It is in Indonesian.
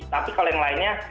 tapi kalau yang lainnya